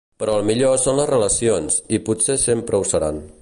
Però el millor són les relacions, i potser sempre ho seran.